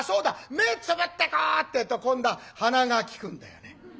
目つぶってこう」ってえと今度は鼻が利くんだよね。